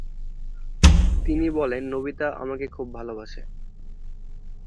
তিনি বলেন, নোবিতা তোমাকে খুব ভালোবাসে।